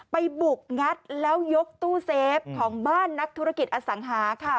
ไปบุกงัดแล้วยกตู้เซฟของบ้านนักธุรกิจอสังหาค่ะ